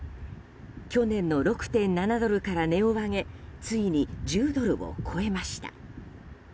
去年の６．７ドルから値を上げついに１０ドルを超えました。